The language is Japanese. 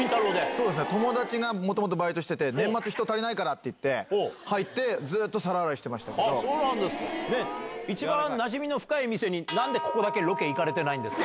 そうですね、友達がもともとバイトしてて、年末、人足りないからっていって、入って、ずっと皿洗いしてました一番なじみの深い店になんでここだけロケ行かれてないんですか？